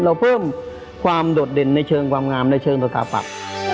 เราเพิ่มความโดดเด่นในเชิงความงามในเชิงสถาปัตย์